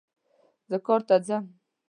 زه کار ته ځم